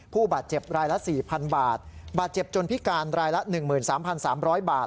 ผู้บาดเจ็บรายละ๔๐๐๐บาทบาดเจ็บจนพิการรายละ๑๓๓๐๐บาท